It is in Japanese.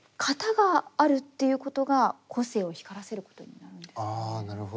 型があるということが個性を光らせることになるんですかね。